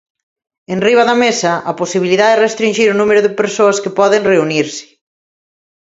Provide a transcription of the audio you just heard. Enriba da mesa, a posibilidade de restrinxir o número de persoas que poden reunirse.